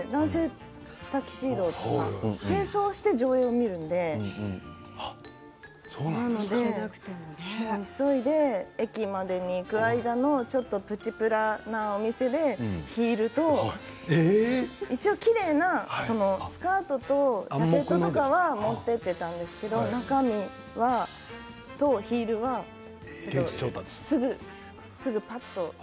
男性はタキシードとか正装して上映を見るのでなので急いで駅までに行く間のプチプラのお店でヒールと一応きれいなスカートとジャケットとか持っていったんですけれど中身とヒールはすぐにぱっと。